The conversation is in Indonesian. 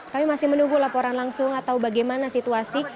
kami masih menunggu laporan langsung atau bagaimana situasi